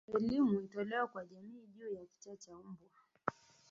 Elimu itolewe kwa jamii juu ya kichaa cha mbwa